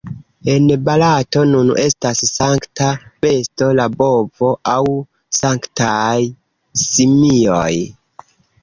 En Barato nun estas sankta besto la bovo aŭ sanktaj simioj.